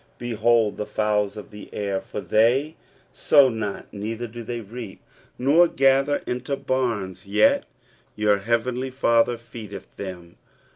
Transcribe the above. Behold the fowls of the air: for they sow not, neither do they reap, nor gather into barns ; yet your heavenly Father feedeth them.